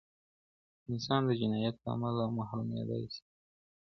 انسان د جنایت له امله محرومېدای سي.